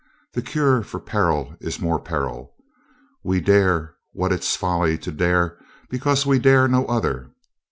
"The cure for peril is more peril. We dare what it's folly to dare because we dare no other.